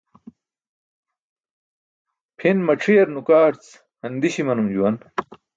Pʰin mac̣ʰiyar nukaarc handiś imanum juwan.